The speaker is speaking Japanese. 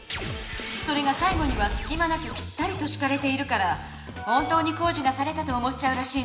それがさい後にはすきまなくぴったりとしかれているから本当に工事がされたと思っちゃうらしいのよね。